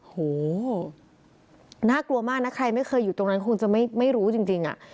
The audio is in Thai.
โหน่ากลัวมากนะใครไม่เคยอยู่ตรงนั้นคงจะไม่รู้จริงอ่ะ